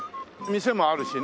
店もあるしね。